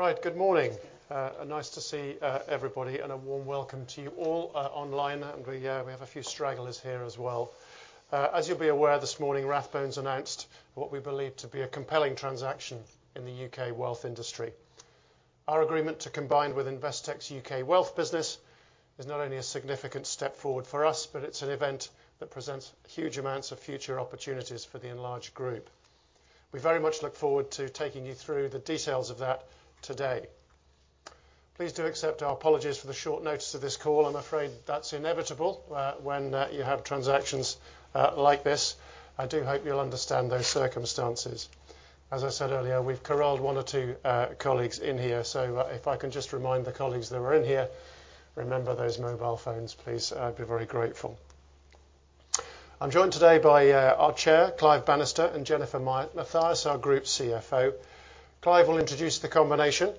Right. Good morning. nice to see everybody, and a warm welcome to you all online. We have a few stragglers here as well. As you'll be aware, this morning, Rathbones announced what we believe to be a compelling transaction in the U.K. wealth industry. Our agreement to combine with Investec's U.K. wealth business is not only a significant step forward for us, but it's an event that presents huge amounts of future opportunities for the enlarged group. We very much look forward to taking you through the details of that today. Please do accept our apologies for the short notice of this call. I'm afraid that's inevitable when you have transactions like this. I do hope you'll understand those circumstances. As I said earlier, we've corralled one or two colleagues in here. If I can just remind the colleagues that we're in here, remember those mobile phones, please. I'd be very grateful. I'm joined today by our Chair, Clive Bannister, and Jennifer Mathias, our Group Chief Financial Officer. Clive will introduce the combination.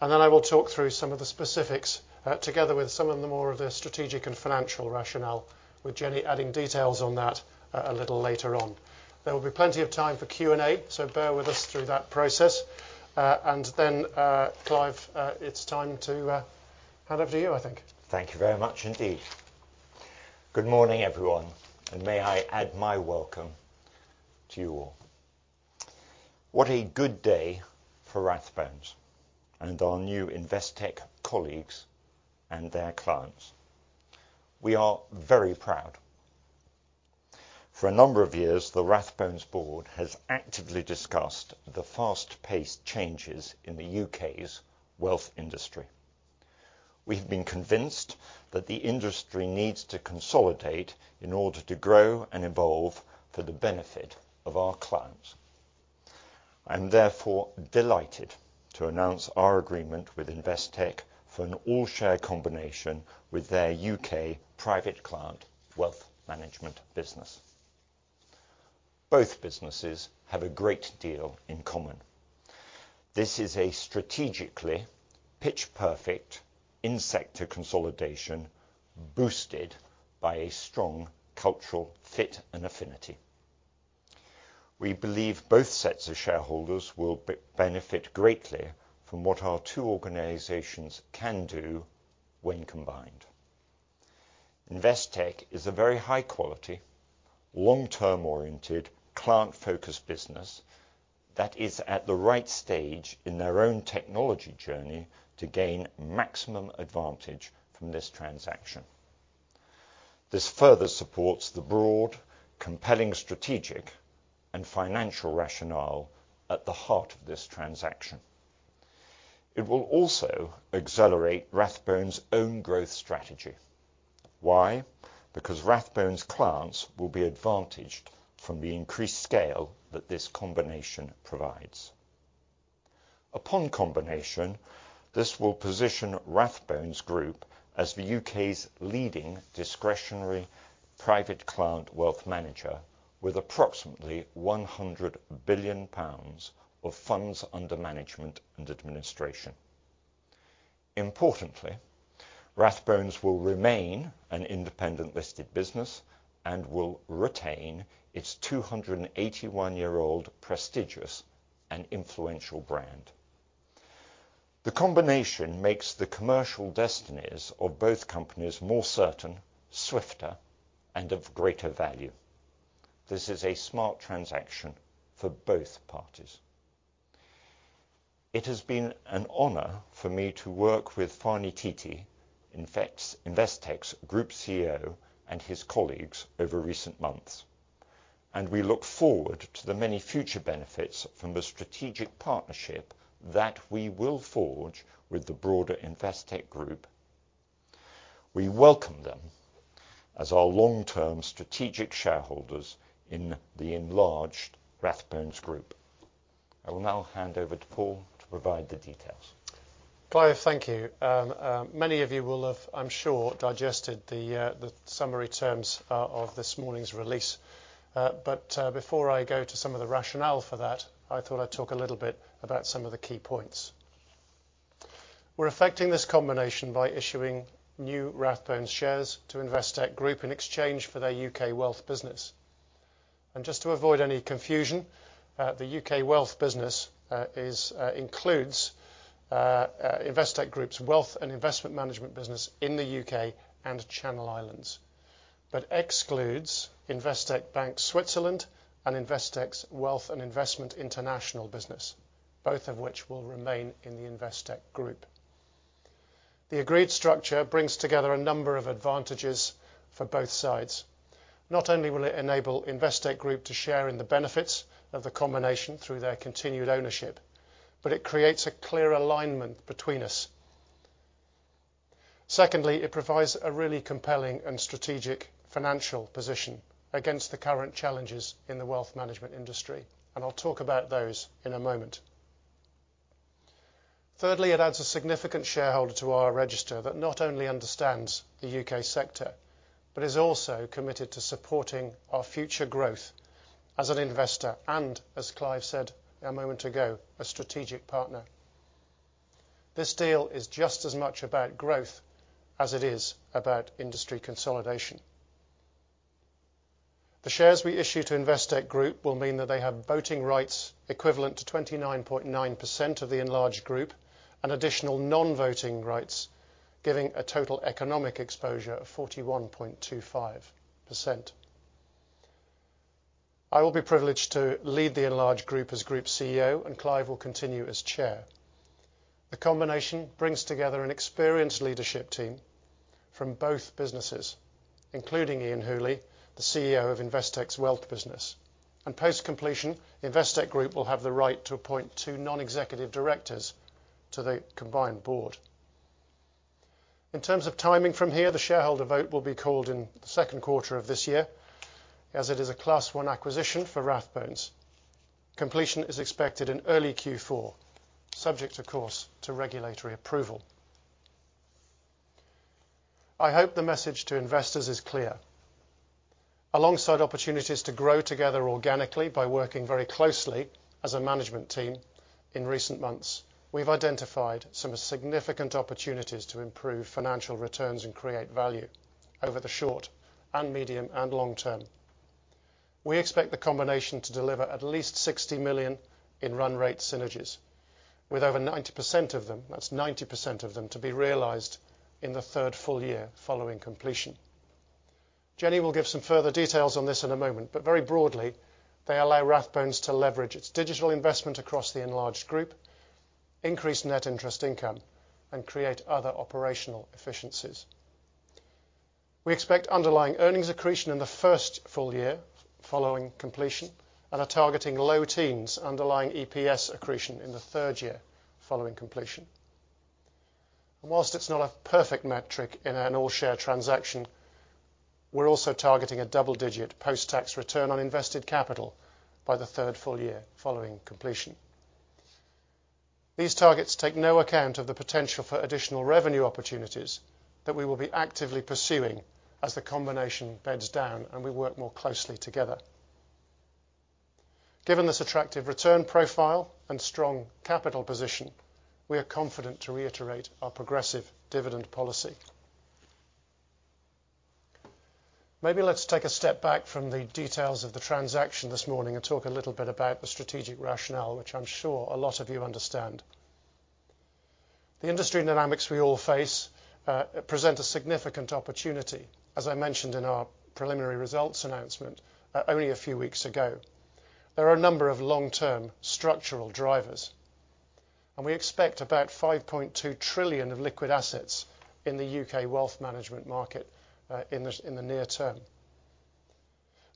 Then I will talk through some of the specifics, together with some of the more of the strategic and financial rationale, with Jenny adding details on that a little later on. There will be plenty of time for Q&A, so bear with us through that process. Then, Clive, it's time to hand over to you, I think. Thank you very much indeed. Good morning, everyone, and may I add my welcome to you all. What a good day for Rathbones and our new Investec colleagues and their clients. We are very proud. For a number of years, the Rathbones board has actively discussed the fast-paced changes in the U.K.'s wealth industry. We've been convinced that the industry needs to consolidate in order to grow and evolve for the benefit of our clients. I'm therefore delighted to announce our agreement with Investec for an all-share combination with their U.K. private client wealth management business. Both businesses have a great deal in common. This is a strategically pitch-perfect in-sector consolidation boosted by a strong cultural fit and affinity. We believe both sets of shareholders will benefit greatly from what our two organizations can do when combined. Investec is a very high quality, long-term oriented, client-focused business that is at the right stage in their own technology journey to gain maximum advantage from this transaction. This further supports the broad, compelling strategic and financial rationale at the heart of this transaction. It will also accelerate Rathbones' own growth strategy. Why? Because Rathbones clients will be advantaged from the increased scale that this combination provides. Upon combination, this will position Rathbones Group as the U.K.'s leading discretionary private client wealth manager with approximately 100 billion pounds of funds under management and administration. Importantly, Rathbones will remain an independent listed business and will retain its 281-year-old prestigious and influential brand. The combination makes the commercial destinies of both companies more certain, swifter, and of greater value. This is a smart transaction for both parties. It has been an honor for me to work with Fani Titi, Investec's Group Chief Executive Officer and his colleagues over recent months. We look forward to the many future benefits from the strategic partnership that we will forge with the broader Investec Group. We welcome them as our long-term strategic shareholders in the enlarged Rathbones Group. I will now hand over to Paul to provide the details. Clive, thank you. Many of you will have, I'm sure, digested the summary terms of this morning's release. Before I go to some of the rationale for that, I thought I'd talk a little bit about some of the key points. We're effecting this combination by issuing new Rathbones shares to Investec Group in exchange for their U.K. wealth business. Just to avoid any confusion, the U.K. wealth business includes Investec Group's wealth and investment management business in the U.K. and Channel Islands, but excludes Investec Bank Switzerland and Investec's wealth and investment international business, both of which will remain in the Investec Group. The agreed structure brings together a number of advantages for both sides. Not only will it enable Investec Group to share in the benefits of the combination through their continued ownership, but it creates a clear alignment between us. Secondly, it provides a really compelling and strategic financial position against the current challenges in the wealth management industry. I'll talk about those in a moment. Thirdly, it adds a significant shareholder to our register that not only understands the U.K. sector, but is also committed to supporting our future growth as an investor, and as Clive said a moment ago, a strategic partner. This deal is just as much about growth as it is about industry consolidation. The shares we issue to Investec Group will mean that they have voting rights equivalent to 29.9% of the enlarged group, and additional non-voting rights, giving a total economic exposure of 41.25%. I will be privileged to lead the enlarged group as Group Chief Executive Officer, Clive will continue as Chair. The combination brings together an experienced leadership team from both businesses, including Iain Hooley, the Chief Executive Officer of Investec's Wealth business. Post-completion, Investec Group will have the right to appoint two non-executive directors to the combined board. In terms of timing from here, the shareholder vote will be called in the second quarter of this year, as it is a Class one acquisition for Rathbones. Completion is expected in early Q4, subject of course, to regulatory approval. I hope the message to investors is clear. Alongside opportunities to grow together organically by working very closely as a management team in recent months, we've identified some significant opportunities to improve financial returns and create value over the short and medium and long term. We expect the combination to deliver at least 60 million in run rate synergies with over 90% of them, that's 90% of them, to be realized in the third full year following completion. Jenny will give some further details on this in a moment, but very broadly, they allow Rathbones to leverage its digital investment across the enlarged group, increase net interest income, and create other operational efficiencies. We expect underlying earnings accretion in the first full year following completion and are targeting low teens underlying EPS accretion in the third year following completion. Whilst it's not a perfect metric in an all-share transaction, we're also targeting a double-digit post-tax return on invested capital by the third full year following completion. These targets take no account of the potential for additional revenue opportunities that we will be actively pursuing as the combination beds down and we work more closely together. Given this attractive return profile and strong capital position, we are confident to reiterate our progressive dividend policy. Let's take a step back from the details of the transaction this morning and talk a little bit about the strategic rationale, which I'm sure a lot of you understand. The industry dynamics we all face present a significant opportunity, as I mentioned in our preliminary results announcement only a few weeks ago. There are a number of long-term structural drivers. We expect about 5.2 trillion of liquid assets in the U.K. wealth management market in the near term.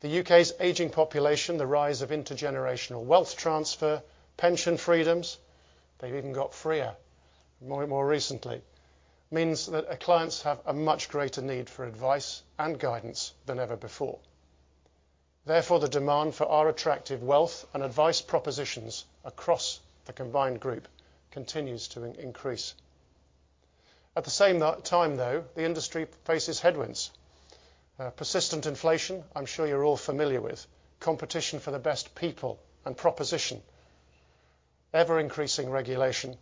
The UK's aging population, the rise of intergenerational wealth transfer, pension freedoms, they've even got freer more recently, means that our clients have a much greater need for advice and guidance than ever before. The demand for our attractive wealth and advice propositions across the combined group continues to increase. At the same time, though, the industry faces headwinds. Persistent inflation, I'm sure you're all familiar with. Competition for the best people and proposition, ever-increasing regulation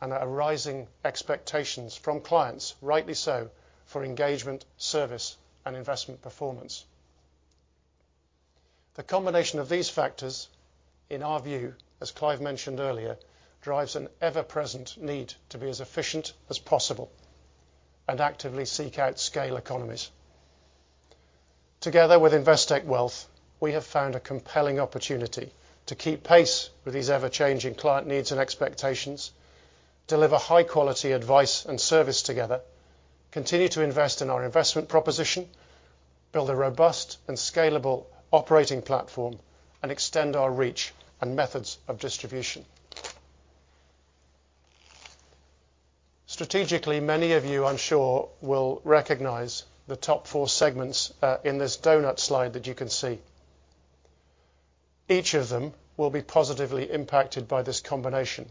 and a rising expectations from clients, rightly so, for engagement, service and investment performance. The combination of these factors, in our view, as Clive mentioned earlier, drives an ever-present need to be as efficient as possible and actively seek out scale economies. Together with Investec Wealth, we have found a compelling opportunity to keep pace with these ever-changing client needs and expectations, deliver high-quality advice and service together, continue to invest in our investment proposition, build a robust and scalable operating platform, and extend our reach and methods of distribution. Strategically, many of you, I'm sure, will recognize the top four segments in this donut slide that you can see. Each of them will be positively impacted by this combination.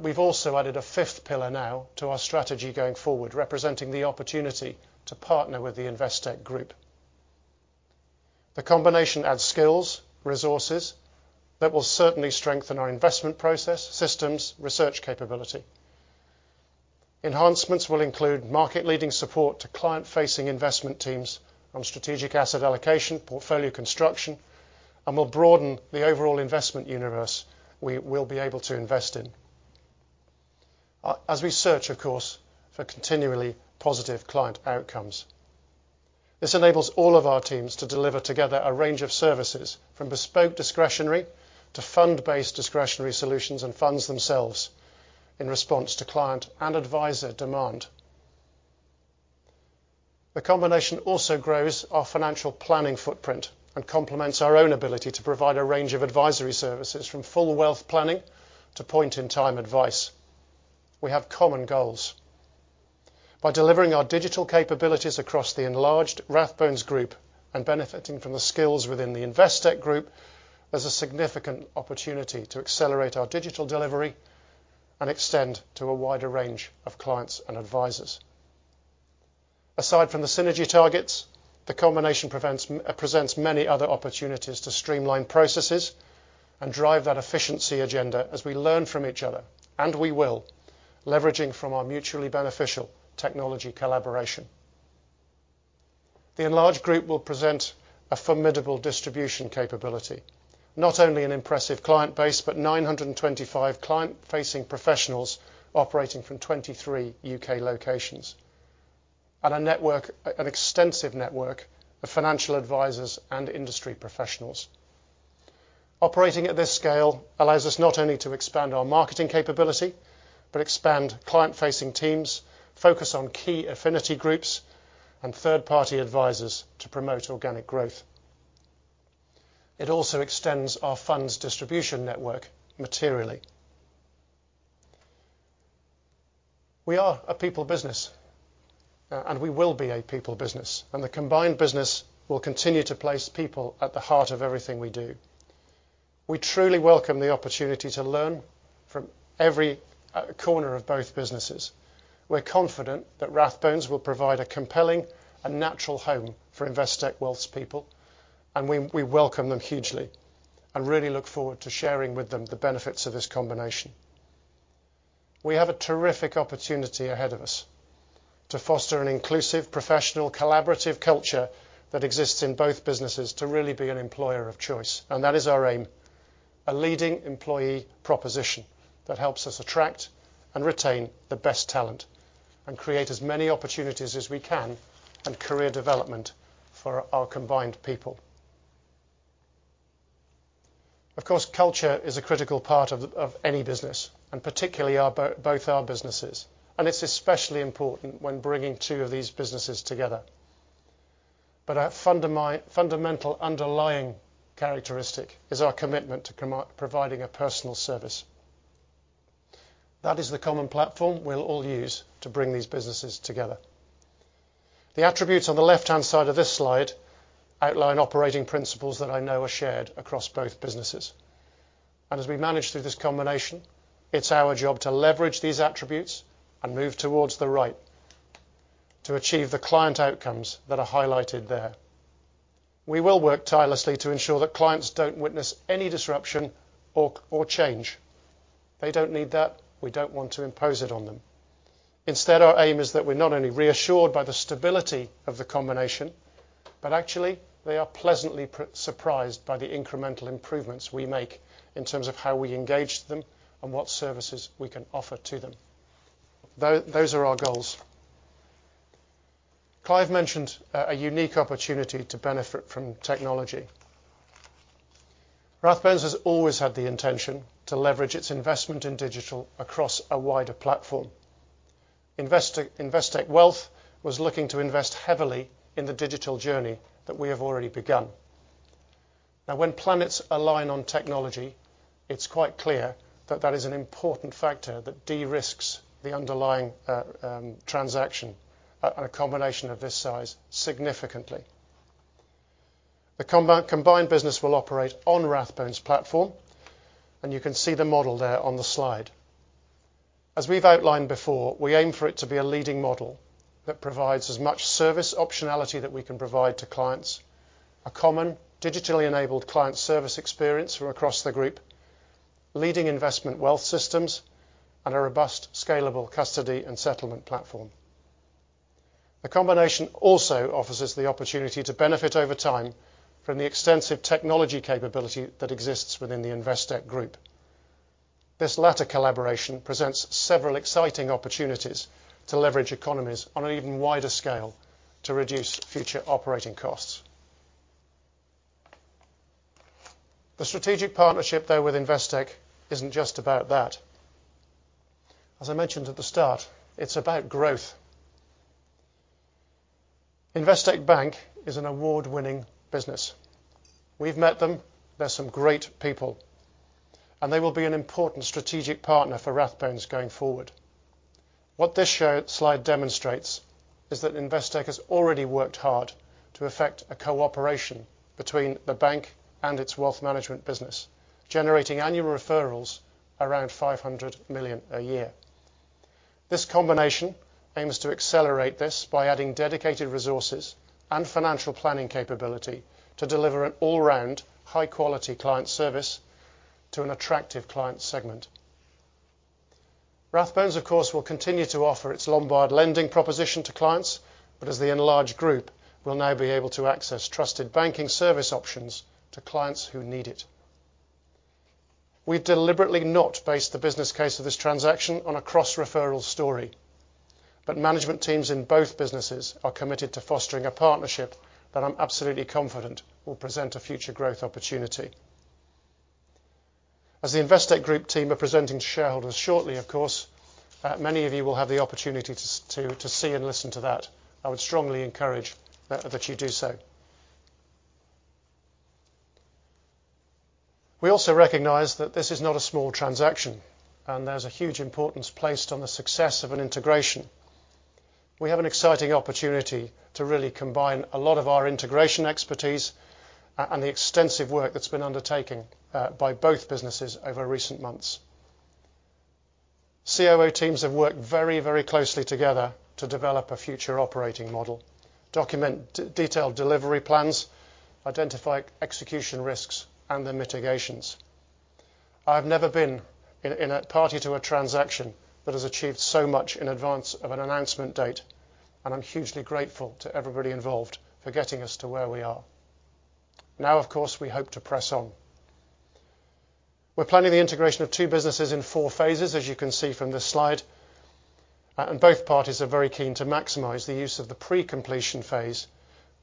We've also added a fifth pillar now to our strategy going forward, representing the opportunity to partner with the Investec Group. The combination adds skills, resources that will certainly strengthen our investment process, systems, research capability. Enhancements will include market-leading support to client-facing investment teams on strategic asset allocation, portfolio construction, and will broaden the overall investment universe we will be able to invest in. As we search, of course, for continually positive client outcomes. This enables all of our teams to deliver together a range of services from bespoke discretionary to fund-based discretionary solutions and funds themselves in response to client and advisor demand. The combination also grows our financial planning footprint and complements our own ability to provide a range of advisory services from full wealth planning to point-in-time advice. We have common goals. By delivering our digital capabilities across the enlarged Rathbones Group and benefiting from the skills within the Investec Group, there's a significant opportunity to accelerate our digital delivery and extend to a wider range of clients and advisors. Aside from the synergy targets, the combination presents many other opportunities to streamline processes and drive that efficiency agenda as we learn from each other, and we will, leveraging from our mutually beneficial technology collaboration. The enlarged group will present a formidable distribution capability, not only an impressive client base, but 925 client-facing professionals operating from 23 U.K. locations, and an extensive network of financial advisors and industry professionals. Operating at this scale allows us not only to expand our marketing capability, but expand client-facing teams, focus on key affinity groups and third-party advisors to promote organic growth. It also extends our funds distribution network materially. We are a people business, and we will be a people business, and the combined business will continue to place people at the heart of everything we do. We truly welcome the opportunity to learn from every corner of both businesses. We're confident that Rathbones will provide a compelling and natural home for Investec Wealth's people, and we welcome them hugely and really look forward to sharing with them the benefits of this combination. We have a terrific opportunity ahead of us to foster an inclusive, professional, collaborative culture that exists in both businesses to really be an employer of choice, and that is our aim. A leading employee proposition that helps us attract and retain the best talent and create as many opportunities as we can and career development for our combined people. Of course, culture is a critical part of any business, and particularly both our businesses, and it's especially important when bringing two of these businesses together. Our fundamental underlying characteristic is our commitment to providing a personal service. That is the common platform we'll all use to bring these businesses together. The attributes on the left-hand side of this slide outline operating principles that I know are shared across both businesses. As we manage through this combination, it's our job to leverage these attributes and move towards the right to achieve the client outcomes that are highlighted there. We will work tirelessly to ensure that clients don't witness any disruption or change. They don't need that. We don't want to impose it on them. Instead, our aim is that we're not only reassured by the stability of the combination, but actually they are pleasantly surprised by the incremental improvements we make in terms of how we engage them and what services we can offer to them. Those are our goals. Clive mentioned a unique opportunity to benefit from technology. Rathbones has always had the intention to leverage its investment in digital across a wider platform. Investec Wealth was looking to invest heavily in the digital journey that we have already begun. When planets align on technology, it's quite clear that that is an important factor that de-risks the underlying transaction and a combination of this size significantly. The combined business will operate on Rathbones platform, and you can see the model there on the slide. As we've outlined before, we aim for it to be a leading model that provides as much service optionality that we can provide to clients, a common digitally enabled client service experience from across the group, leading investment wealth systems, and a robust, scalable custody and settlement platform. The combination also offers us the opportunity to benefit over time from the extensive technology capability that exists within the Investec Group. This latter collaboration presents several exciting opportunities to leverage economies on an even wider scale to reduce future operating costs. The strategic partnership, though, with Investec isn't just about that. As I mentioned at the start, it's about growth. Investec Bank is an award-winning business. We've met them. They're some great people, and they will be an important strategic partner for Rathbones going forward. What this slide demonstrates is that Investec has already worked hard to effect a cooperation between the bank and its wealth management business, generating annual referrals around 500 million a year. This combination aims to accelerate this by adding dedicated resources and financial planning capability to deliver an all-round high-quality client service to an attractive client segment. Rathbones, of course, will continue to offer its Lombard lending proposition to clients, but as the enlarged group will now be able to access trusted banking service options to clients who need it. We've deliberately not based the business case of this transaction on a cross-referral story, management teams in both businesses are committed to fostering a partnership that I'm absolutely confident will present a future growth opportunity. As the Investec Group team are presenting to shareholders shortly, of course, many of you will have the opportunity to see and listen to that. I would strongly encourage that you do so. We also recognize that this is not a small transaction, there's a huge importance placed on the success of an integration. We have an exciting opportunity to really combine a lot of our integration expertise and the extensive work that's been undertaking by both businesses over recent months. Chief OperatingOfficer teams have worked very closely together to develop a future operating model, document detailed delivery plans, identify execution risks and their mitigations. I've never been in a party to a transaction that has achieved so much in advance of an announcement date, and I'm hugely grateful to everybody involved for getting us to where we are. Now, of course, we hope to press on. We're planning the integration of two businesses in four phases, as you can see from this slide. Both parties are very keen to maximize the use of the pre-completion phase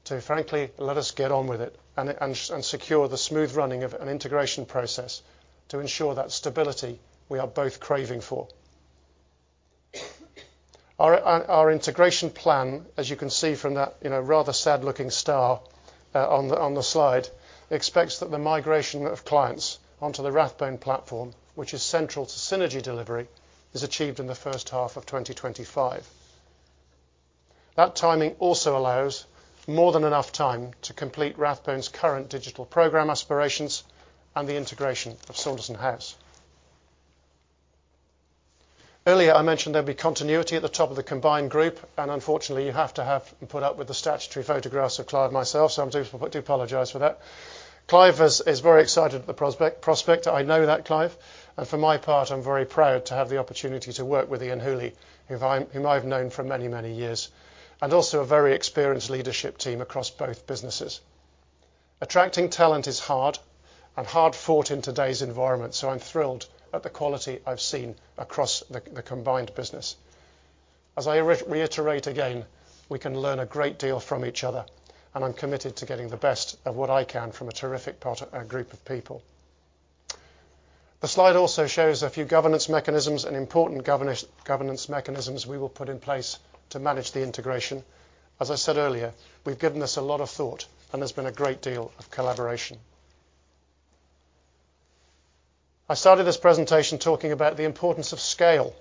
to, frankly, let us get on with it and secure the smooth running of an integration process to ensure that stability we are both craving for. Our integration plan, as you can see from that, you know, rather sad-looking star on the slide, expects that the migration of clients onto the Rathbones platform, which is central to synergy delivery, is achieved in the first half of 2025. That timing also allows more than enough time to complete Rathbones' current digital program aspirations and the integration of Saunderson House. Unfortunately, you have to have put up with the statutory photographs of Clive myself, so I do apologize for that. Clive is very excited at the prospect. I know that, Clive. For my part, I'm very proud to have the opportunity to work with Iain Hooley, whom I've known for many, many years, and also a very experienced leadership team across both businesses. Attracting talent is hard and hard-fought in today's environment, so I'm thrilled at the quality I've seen across the combined business. As I reiterate again, we can learn a great deal from each other, and I'm committed to getting the best of what I can from a terrific group of people. The slide also shows a few governance mechanisms and important governance mechanisms we will put in place to manage the integration. As I said earlier, we've given this a lot of thought, and there's been a great deal of collaboration. I started this presentation talking about the importance of scale,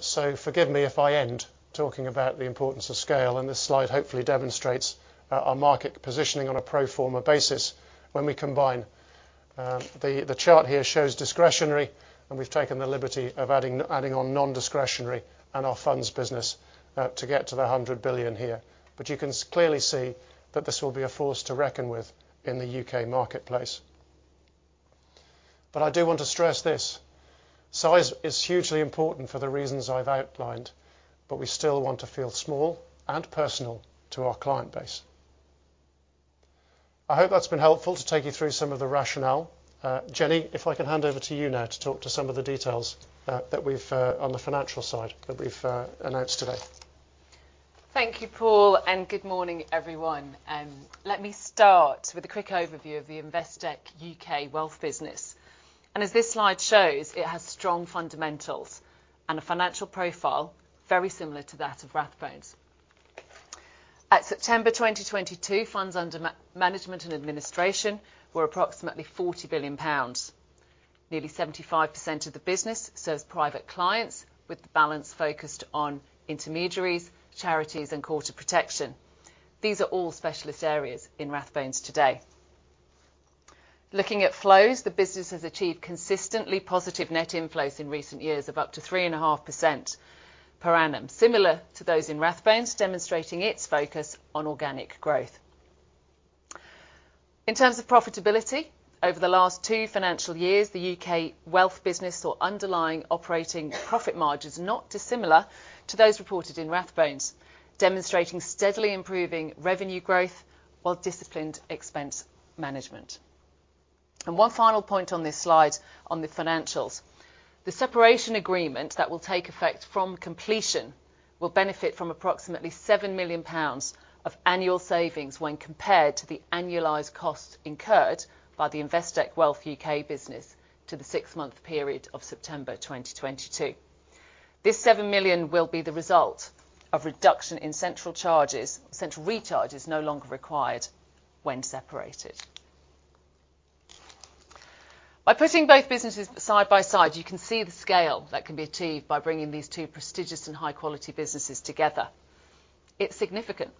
so forgive me if I end talking about the importance of scale. This slide hopefully demonstrates our market positioning on a pro forma basis when we combine. The chart here shows discretionary, and we've taken the liberty of adding on non-discretionary and our funds business to get to the 100 billion here. You can clearly see that this will be a force to reckon with in the U.K. marketplace. I do want to stress this. Size is hugely important for the reasons I've outlined, but we still want to feel small and personal to our client base. I hope that's been helpful to take you through some of the rationale. Jenny, if I can hand over to you now to talk to some of the details that we've on the financial side that we've announced today. Thank you, Paul, good morning, everyone. Let me start with a quick overview of the Investec U.K. Wealth business. As this slide shows, it has strong fundamentals and a financial profile very similar to that of Rathbones. At September 2022, funds under management and administration were approximately 40 billion pounds. Nearly 75% of the business serves private clients, with the balance focused on intermediaries, charities, and Court of Protection. These are all specialist areas in Rathbones today. Looking at flows, the business has achieved consistently positive net inflows in recent years of up to 3.5% per annum, similar to those in Rathbones, demonstrating its focus on organic growth. In terms of profitability, over the last two financial years, the U.K. Wealth business saw underlying operating profit margins not dissimilar to those reported in Rathbones, demonstrating steadily improving revenue growth while disciplined expense management. One final point on this slide on the financials. The separation agreement that will take effect from completion will benefit from approximately 7 million pounds of annual savings when compared to the annualized costs incurred by the Investec Wealth U.K. business to the six-month period of September 2022. This 7 million will be the result of reduction in central charges, central recharges no longer required when separated. By putting both businesses side by side, you can see the scale that can be achieved by bringing these two prestigious and high-quality businesses together. It's significant.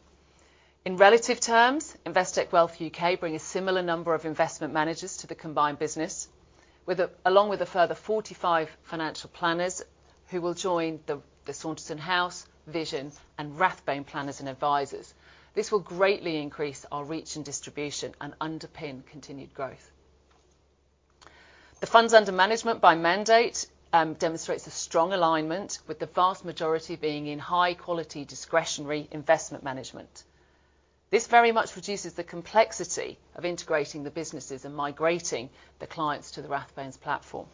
In relative terms, Investec Wealth UK bring a similar number of investment managers to the combined business, along with a further 45 financial planners who will join the Saunderson House, Vision, and Rathbone planners and advisors. This will greatly increase our reach and distribution and underpin continued growth. The funds under management by mandate demonstrates a strong alignment with the vast majority being in high-quality discretionary investment management. This very much reduces the complexity of integrating the businesses and migrating the clients to the Rathbones platform.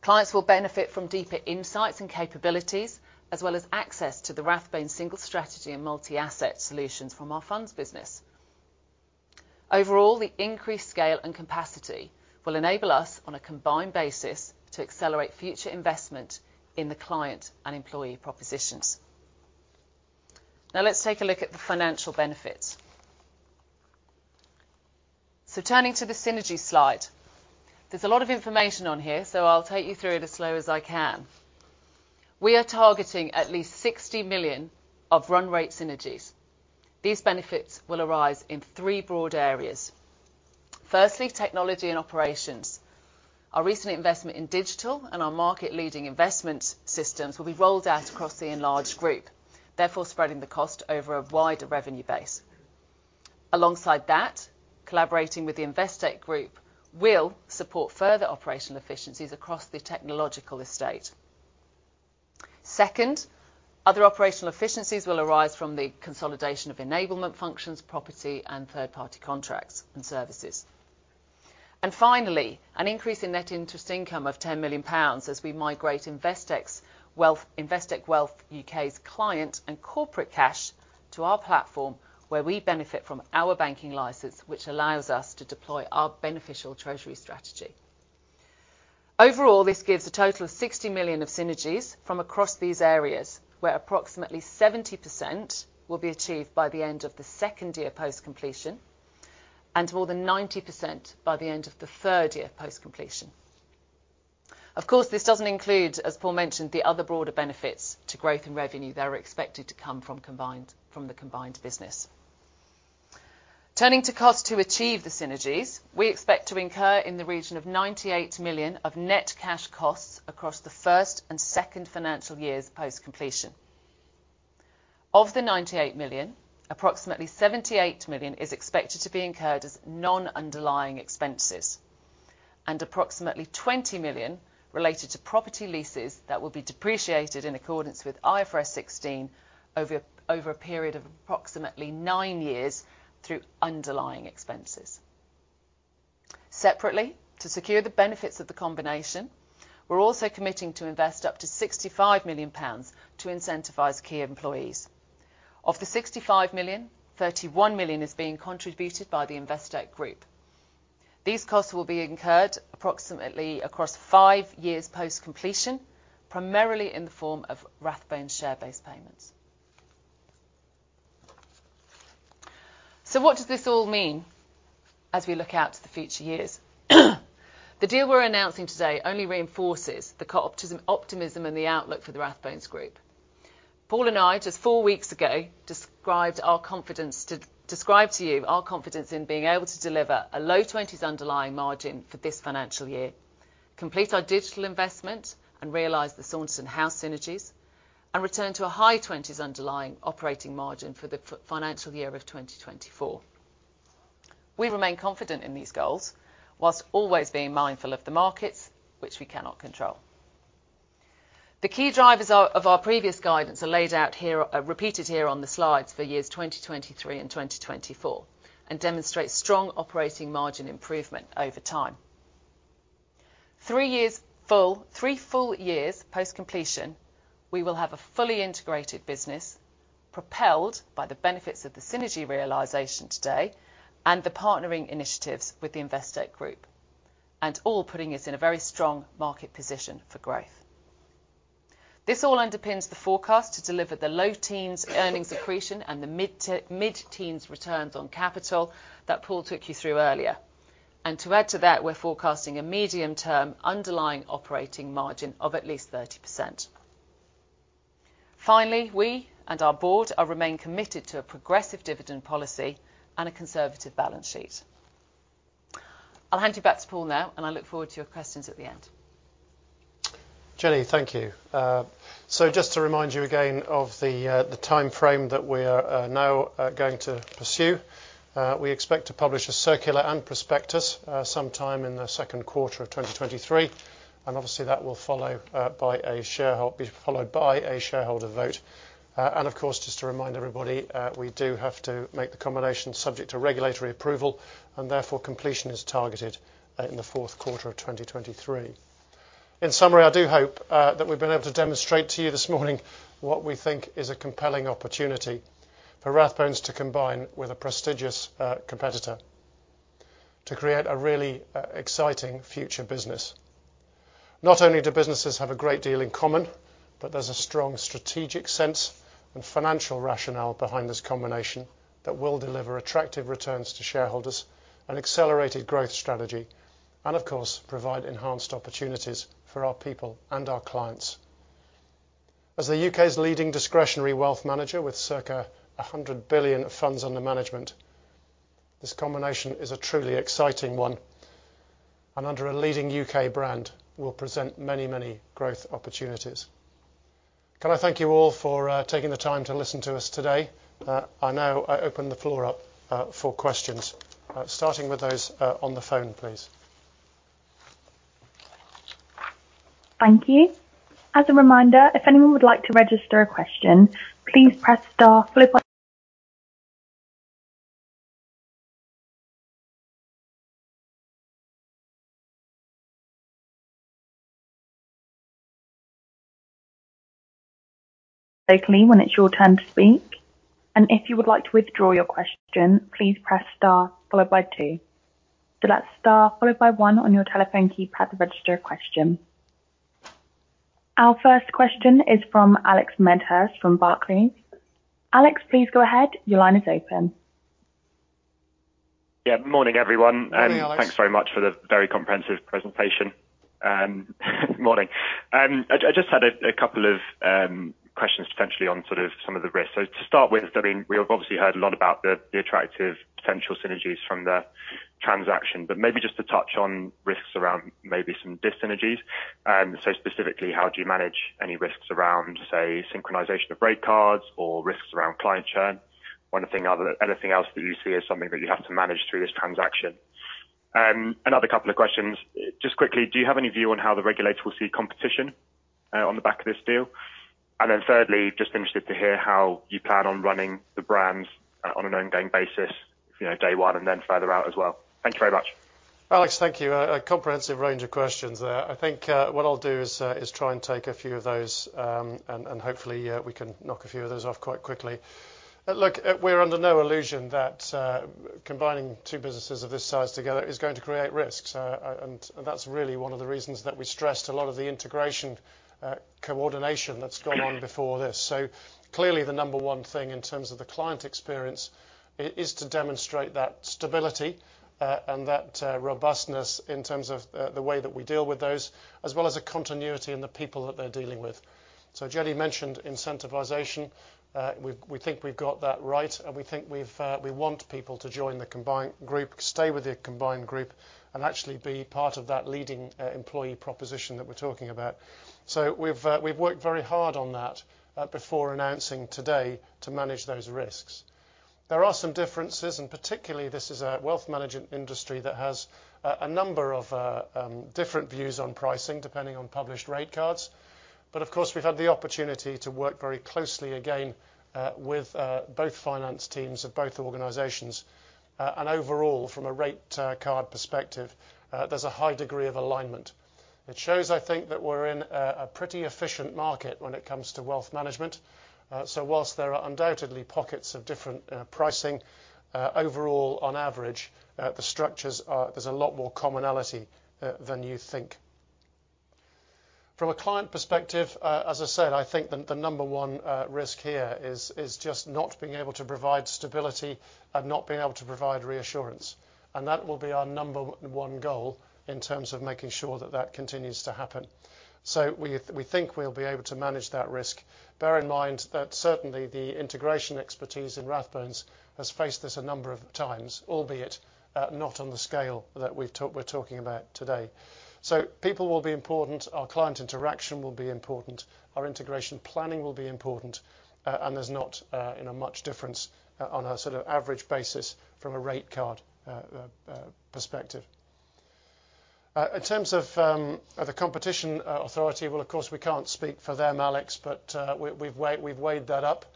Clients will benefit from deeper insights and capabilities, as well as access to the Rathbones single strategy and multi-asset solutions from our funds business. Overall, the increased scale and capacity will enable us on a combined basis to accelerate future investment in the client and employee propositions. Now let's take a look at the financial benefits. Turning to the synergy slide. There's a lot of information on here, so I'll take you through it as slow as I can. We are targeting at least 60 million of run rate synergies. These benefits will arise in three broad areas. Firstly, technology and operations. Our recent investment in digital and our market-leading investment systems will be rolled out across the enlarged group, therefore spreading the cost over a wider revenue base. Alongside that, collaborating with the Investec Group will support further operational efficiencies across the technological estate. Second, other operational efficiencies will arise from the consolidation of enablement functions, property, and third-party contracts and services. Finally, an increase in net interest income of 10 million pounds as we migrate Investec Wealth U.K.'s client and corporate cash to our platform where we benefit from our banking license, which allows us to deploy our beneficial treasury strategy. Overall, this gives a total of 60 million of synergies from across these areas, where approximately 70% will be achieved by the end of the second year post-completion, and more than 90% by the end of the third year post-completion. Of course, this doesn't include, as Paul mentioned, the other broader benefits to growth and revenue that are expected to come from the combined business. Turning to cost to achieve the synergies, we expect to incur in the region of 98 million of net cash costs across the first and second financial years post-completion. Of the 98 million, approximately 78 million is expected to be incurred as non-underlying expenses, and approximately 20 million related to property leases that will be depreciated in accordance with IFRS 16 over a period of approximately nine years through underlying expenses. Separately, to secure the benefits of the combination, we're also committing to invest up to 65 million pounds to incentivize key employees. Of the 65 million, 31 million is being contributed by the Investec Group. These costs will be incurred approximately across five years post-completion, primarily in the form of Rathbones share-based payments. What does this all mean as we look out to the future years? The deal we're announcing today only reinforces the optimism and the outlook for the Rathbones Group. Paul and I, just four weeks ago, described to you our confidence in being able to deliver a low 20s underlying margin for this financial year, complete our digital investment, and realize the Saunderson House synergies, and return to a high 20s underlying operating margin for the financial year of 2024. We remain confident in these goals while always being mindful of the markets which we cannot control. The key drivers of our previous guidance are laid out here, are repeated here on the slides for years 2023 and 2024, and demonstrate strong operating margin improvement over time. Three full years post-completion, we will have a fully integrated business propelled by the benefits of the synergy realization today and the partnering initiatives with the Investec Group, and all putting us in a very strong market position for growth. This all underpins the forecast to deliver the low teens earnings accretion and the mid-teens returns on capital that Paul took you through earlier. To add to that, we're forecasting a medium-term underlying operating margin of at least 30%. Finally, we and our board are remain committed to a progressive dividend policy and a conservative balance sheet. I'll hand you back to Paul now, and I look forward to your questions at the end. Jenny, thank you. So just to remind you again of the timeframe that we are now going to pursue. We expect to publish a circular and prospectus sometime in the second quarter of 2023, and obviously that will be followed by a shareholder vote. Of course, just to remind everybody, we do have to make the combination subject to regulatory approval, and therefore completion is targeted in the fourth quarter of 2023. In summary, I do hope that we've been able to demonstrate to you this morning what we think is a compelling opportunity for Rathbones to combine with a prestigious competitor to create a really exciting future business. Not only do businesses have a great deal in common, but there's a strong strategic sense and financial rationale behind this combination that will deliver attractive returns to shareholders, an accelerated growth strategy, and of course, provide enhanced opportunities for our people and our clients. As the U.K.'s leading discretionary wealth manager with circa 100 billion funds under management, this combination is a truly exciting one, and under a leading U.K. brand will present many growth opportunities. Can I thank you all for taking the time to listen to us today. I now open the floor up for questions, starting with those on the phone, please. Thank you. As a reminder, if anyone would like to register a question, please press star followed by one when it's your turn to speak. If you would like to withdraw your question, please press star followed by two. That's star followed by one on your telephone keypad to register a question. Our first question is from Alex Medhurst from Barclays. Alex, please go ahead. Your line is open. Yeah. Morning, everyone. Morning, Alex. Thanks very much for the very comprehensive presentation. Morning. I just had a couple of questions potentially on sort of some of the risks. To start with, I mean, we have obviously heard a lot about the attractive potential synergies from the transaction, but maybe just to touch on risks around maybe some dyssynergies. Specifically, how do you manage any risks around, say, synchronization of rate cards or risks around client churn? One other thing, anything else that you see as something that you have to manage through this transaction? Another couple of questions. Just quickly, do you have any view on how the regulator will see competition on the back of this deal? thirdly, just interested to hear how you plan on running the brands, on an ongoing basis, you know, day one and then further out as well. Thank you very much. Alex, thank you. A comprehensive range of questions there. I think, what I'll do is try and take a few of those, and hopefully, we can knock a few of those off quite quickly. Look, we're under no illusion that combining two businesses of this size together is going to create risks. That's really one of the reasons that we stressed a lot of the integration, coordination that's gone on before this. Clearly, the number one thing in terms of the client experience is to demonstrate that stability, and that robustness in terms of the way that we deal with those, as well as a continuity in the people that they're dealing with. Jenny mentioned incentivization. We think we've got that right, and we think we want people to join the combined group, stay with the combined group, and actually be part of that leading employee proposition that we're talking about. We've worked very hard on that before announcing today to manage those risks. There are some differences, particularly this is a wealth management industry that has a number of different views on pricing, depending on published rate cards. Of course, we've had the opportunity to work very closely, again, with both finance teams of both organizations. Overall, from a rate card perspective, there's a high degree of alignment. It shows, I think, that we're in a pretty efficient market when it comes to wealth management. Whilst there are undoubtedly pockets of different pricing, overall on average, the structures are. There's a lot more commonality than you think. From a client perspective, as I said, I think the number one risk here is just not being able to provide stability and not being able to provide reassurance. That will be our number one goal in terms of making sure that that continues to happen. We think we'll be able to manage that risk. Bear in mind that certainly the integration expertise in Rathbones has faced this a number of times, albeit, not on the scale that we're talking about today. People will be important, our client interaction will be important, our integration planning will be important, and there's not, you know, much difference on a sort of average basis from a rate card perspective. In terms of the competition authority, well, of course, we can't speak for them, Alex, but we've weighed that up.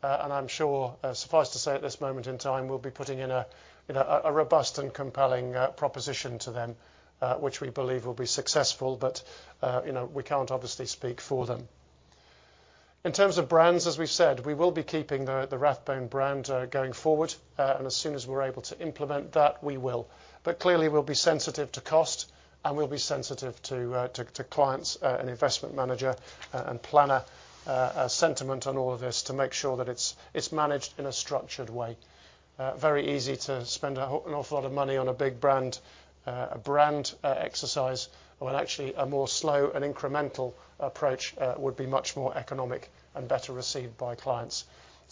And I'm sure, suffice to say at this moment in time, we'll be putting in a, you know, a robust and compelling proposition to them, which we believe will be successful. You know, we can't obviously speak for them. In terms of brands, as we've said, we will be keeping the Rathbones brand going forward. And as soon as we're able to implement that, we will. Clearly, we'll be sensitive to cost, and we'll be sensitive to clients' and investment manager and planner sentiment on all of this to make sure that it's managed in a structured way. Very easy to spend an awful lot of money on a big brand exercise, when actually a more slow and incremental approach would be much more economic and better received by clients.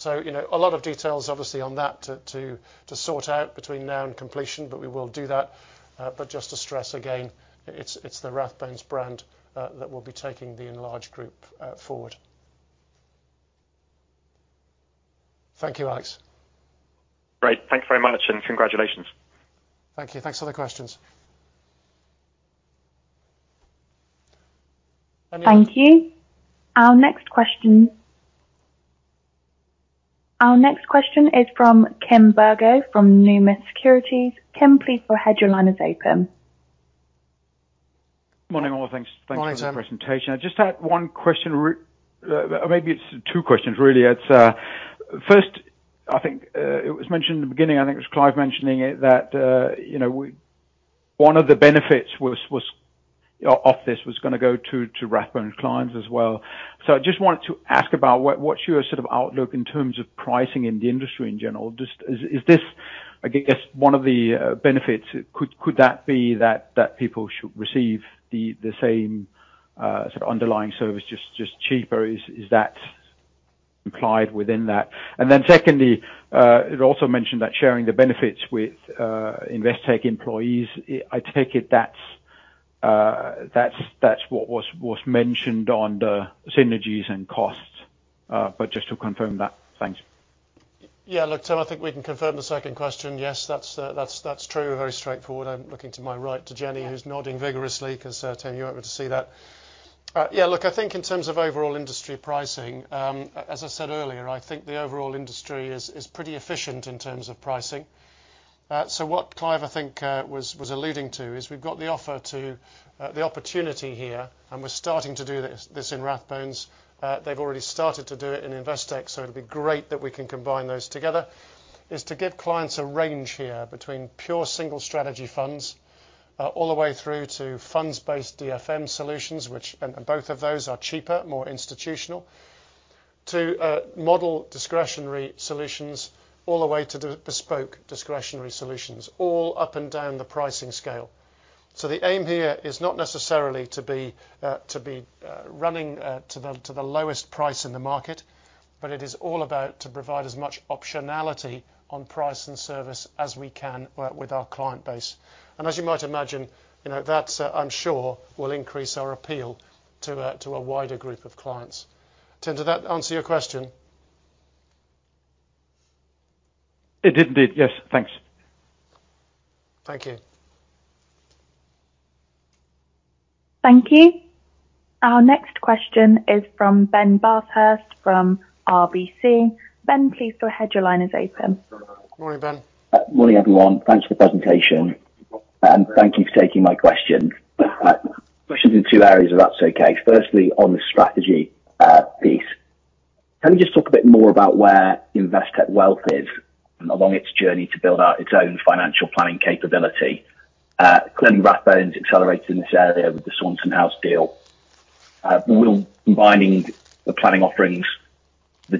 You know, a lot of details, obviously, on that to sort out between now and completion, but we will do that. Just to stress again, it's the Rathbones brand that will be taking the enlarged group forward. Thank you, Alex. Great. Thank you very much, and congratulations. Thank you. Thanks for the questions. Thank you. Our next question is from Kim Bergoe from Numis Securities. Kim, please go ahead. Your line is open. Morning, all. Thanks- Morning. Thanks for the presentation. I just had one question or maybe it's two questions, really. It's first, I think, it was mentioned in the beginning, I think it was Clive Bannister mentioning it, that, you know, one of the benefits was of this was gonna go to Rathbones clients as well. I just wanted to ask about what's your sort of outlook in terms of pricing in the industry in general? Is this, I guess, one of the benefits? Could that be that people should receive the same sort of underlying service just cheaper? Is that implied within that? Then secondly, it also mentioned that sharing the benefits with Investec employees. I take it that's what was mentioned on the synergies and costs. Just to confirm that. Thanks. Look, Kim, I think we can confirm the second question. Yes. That's true. Very straightforward. I'm looking to my right to Jenny who's nodding vigorously 'cause, Tim, you're able to see that. Look, I think in terms of overall industry pricing, as I said earlier, I think the overall industry is pretty efficient in terms of pricing. What Clive Bannister, I think, was alluding to, is we've got the offer to the opportunity here, and we're starting to do this in Rathbones. They've already started to do it in Investec, it'll be great that we can combine those together. Is to give clients a range here between pure single strategy funds, all the way through to funds-based DFM solutions, which, and both of those are cheaper, more institutional. To model discretionary solutions all the way to de-bespoke discretionary solutions, all up and down the pricing scale. The aim here is not necessarily to be running, to the lowest price in the market, but it is all about to provide as much optionality on price and service as we can with our client base. As you might imagine, you know, that, I'm sure will increase our appeal to a, to a wider group of clients. Kim, did that answer your question? It did indeed. Yes. Thanks. Thank you. Thank you. Our next question is from Ben Bathurst from RBC. Ben, please go ahead. Your line is open. Morning, Ben. Morning, everyone. Thanks for the presentation. Thank you for taking my question. Question's in two areas if that's okay. Firstly, on the strategy piece. Can you just talk a bit more about where Investec Wealth is along its journey to build out its own financial planning capability? Clearly Rathbones accelerated in this area with the Saunderson House deal. Will combining the planning offerings, the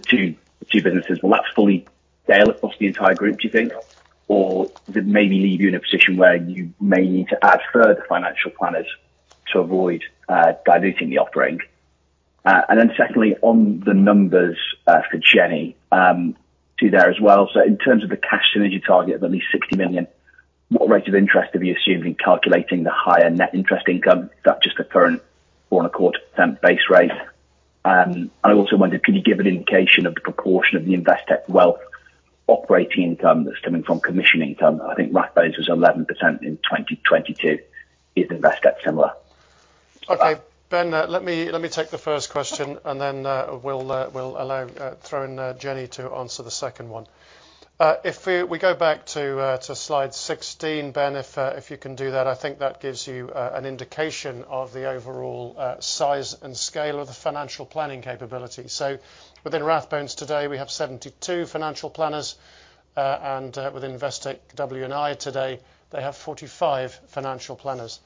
two businesses, will that fully scale across the entire group, do you think? Does it maybe leave you in a position where you may need to add further financial planners to avoid diluting the offering? Secondly, on the numbers for Jenny to there as well. In terms of the cash synergy target of at least 60 million, what rate of interest have you assumed in calculating the higher net interest income, not just the current four and a quarter percent base rate? I also wonder, could you give an indication of the proportion of the Investec Wealth operating income that's coming from commission income? I think Rathbones was 11% in 2022. Is Investec similar? Okay. Ben, let me take the first question, and then we'll throw in Jenny to answer the second one. If we go back to slide 16, Ben, if you can do that, I think that gives you an indication of the overall size and scale of the financial planning capability. Within Rathbones today, we have 72 financial planners. Within Investec W&I today, they have 45 financial planners.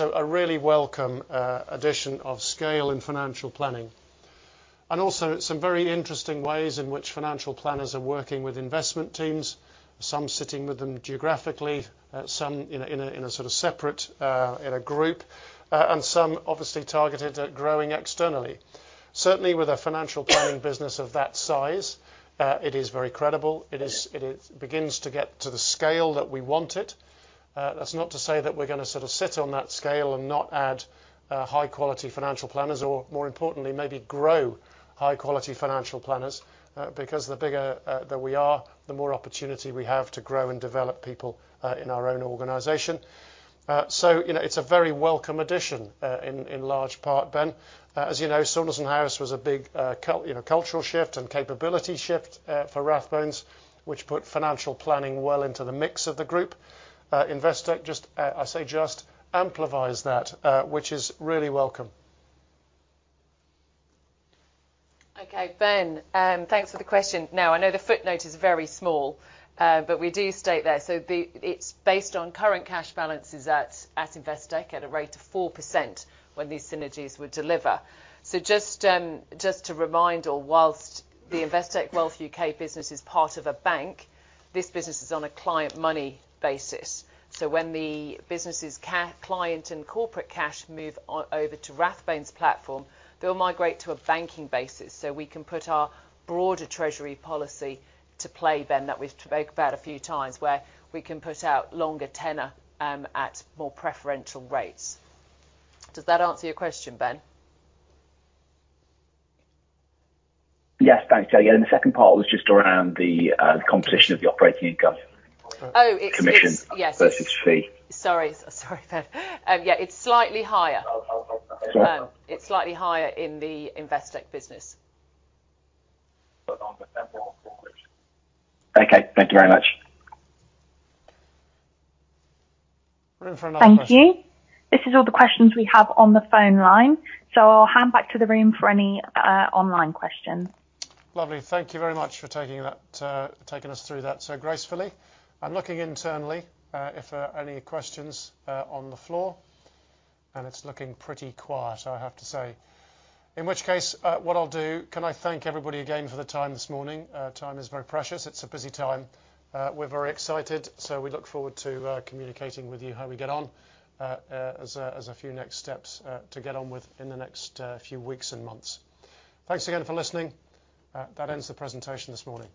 A really welcome addition of scale in financial planning. Also some very interesting ways in which financial planners are working with investment teams, some sitting with them geographically, some in a sort of separate, in a group, and some obviously targeted at growing externally. Certainly, with a financial planning business of that size, it is very credible. It begins to get to the scale that we want it. That's not to say that we're gonna sort of sit on that scale and not add high-quality financial planners or more importantly, maybe grow high-quality financial planners. Because the bigger that we are, the more opportunity we have to grow and develop people in our own organization. So, you know, it's a very welcome addition, in large part, Ben. As you know, Saunderson House was a big, you know, cultural shift and capability shift for Rathbones, which put financial planning well into the mix of the group. Investec just, I say just amplifies that, which is really welcome. Ben, thanks for the question. I know the footnote is very small, but we do state there. It's based on current cash balances at Investec at a rate of 4% when these synergies would deliver. Just to remind all, while the Investec Wealth U.K. business is part of a bank, this business is on a client money basis. When the business' client and corporate cash move over to Rathbones' platform, they'll migrate to a banking basis, so we can put our broader treasury policy to play, Ben, that we've spoke about a few times, where we can put out longer tenor at more preferential rates. Does that answer your question, Ben? Yes. Thanks, Jenny. The second part was just around the composition of the operating income. Oh, it's... Commission- Yes. -versus fee. Sorry, Ben. Yeah, it's slightly higher. It's slightly higher in the Investec business. Okay. Thank you very much. Room for another question. Thank you. This is all the questions we have on the phone line, so I'll hand back to the room for any online questions. Lovely. Thank you very much for taking that, taking us through that so gracefully. I'm looking internally, if any questions on the floor, and it's looking pretty quiet, I have to say. What I'll do, can I thank everybody again for the time this morning. Time is very precious. It's a busy time. We're very excited, so we look forward to communicating with you how we get on as a few next steps to get on with in the next few weeks and months. Thanks again for listening. That ends the presentation this morning.